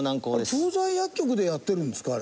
調剤薬局でやってるんですか？